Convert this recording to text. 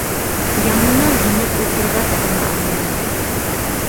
Яңынан инеп ултырғас ҡына аңланым.